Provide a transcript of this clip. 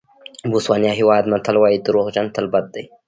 بوسوانیا هېواد متل وایي دروغجن تل بد دي.